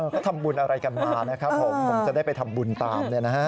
ก็ทำบุญอะไรกันมานะครับผมผมจะได้ไปทำบุญตาม